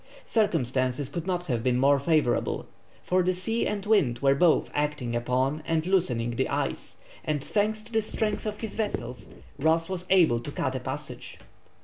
Circumstances could not have been more favourable, for the sea and wind were both acting upon and loosening the ice, and thanks to the strength of his vessels, Ross was able to cut a passage.